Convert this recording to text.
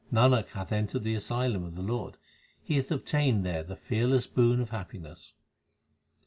Nanak hath entered the asylum of the Lord ; he hath obtained there the fearless boon of happiness.